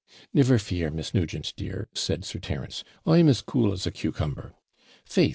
'Never fear, Miss Nugent dear,' said Sir Terence; 'I'm as cool as a cucumber. Faith!